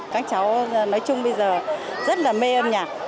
các cháu nói chung bây giờ rất là mê âm nhạc